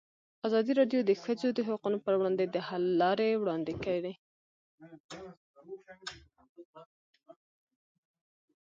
ازادي راډیو د د ښځو حقونه پر وړاندې د حل لارې وړاندې کړي.